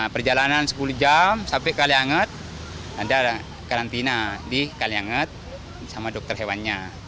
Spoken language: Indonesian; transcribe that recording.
perjalanan sepuluh jam sampai kalianget anda karantina di kalianget sama dokter hewannya